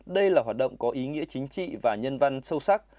đây là hoạt động có ý nghĩa chính trị và nhân văn sâu sắc